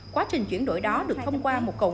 quá trình chuyển đổi đó được thông qua một cộng